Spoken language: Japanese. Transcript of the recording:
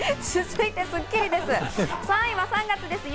続いてはスッキりすです。